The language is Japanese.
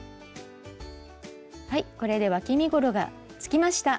はいこれでわき身ごろがつきました。